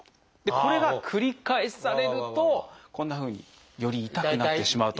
これが繰り返されるとこんなふうにより痛くなってしまうと。